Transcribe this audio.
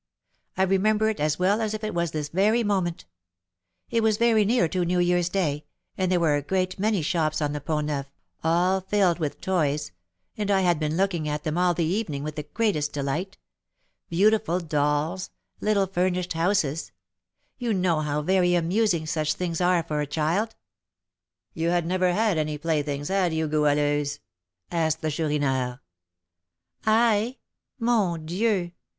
I remember it as well as if it was this very moment, it was very near to New Year's day, and there were a great many shops on the Pont Neuf, all filled with toys, and I had been looking at them all the evening with the greatest delight, beautiful dolls, little furnished houses, you know how very amusing such things are for a child." "You had never had any playthings, had you, Goualeuse?" asked the Chourineur. "I? _Mon Dieu!